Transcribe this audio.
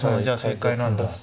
じゃあ正解なんだ。